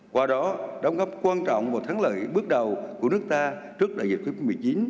qua đó đóng góp quan trọng và thắng lợi bước đầu của nước ta trước đại dịch covid một mươi chín